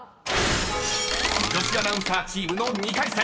［女子アナウンサーチームの２回戦］